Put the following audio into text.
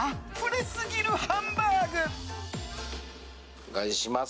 お願いします。